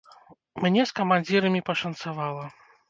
Мне з камандзірамі пашанцавала.